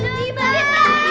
jangan tarik tarik